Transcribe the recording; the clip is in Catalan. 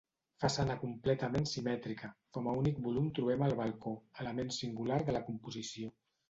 Façana completament simètrica, com a únic volum trobem el balcó, element singular de la composició.